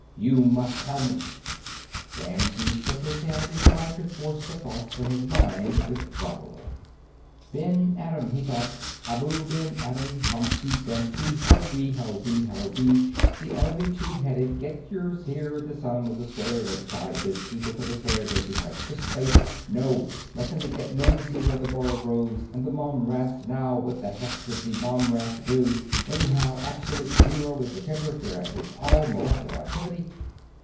You must tell me " Ramsey shook his head and tried to force the thoughts from his mind with doggerel. Ben Adam, he thought. Abou Ben Adam, Humpty Dumpty, hurry, hurry, hurry, the only two headed get yours here the sum of the square of the sides is equal to the square of the hyper space, no, mustn't think that mimsy were the borogroves and the momraths now what the heck did the momraths do anyhow absolute zero is the temperature at which all molecular activity....